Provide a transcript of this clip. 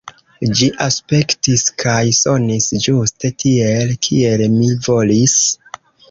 Ĝi aspektis kaj sonis ĝuste tiel, kiel mi volis.